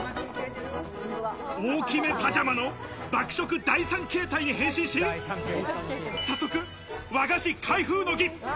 大きめパジャマの爆食第３形態へ変身し、早速、和菓子開封の儀！